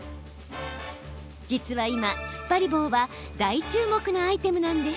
実は今、つっぱり棒は大注目なアイテムなんです。